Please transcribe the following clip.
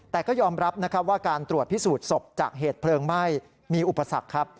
แต่ก็ยอมรับนะครับว่าการตรวจพิสูจน์ศพจากเหตุเพลิงไหม้มีอุปสรรคครับ